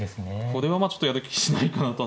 これはまあちょっとやる気しないかなと。